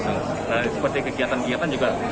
seperti kegiatan kegiatan juga